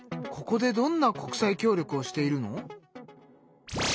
ここでどんな国際協力をしているの？